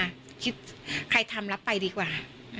คิดใครทำรับไปดีกว่า